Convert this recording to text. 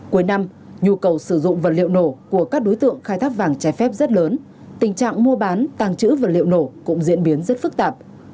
cuối năm nhu cầu sử dụng vật liệu nổ của các đối tượng khai thác vàng trái phép rất lớn tình trạng mua bán tàng trữ vật liệu nổ cũng diễn biến rất phức tạp